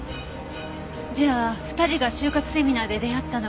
じゃあ２人が終活セミナーで出会ったのは。